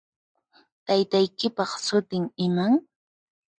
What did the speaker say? Taytaykipaq sutin iman?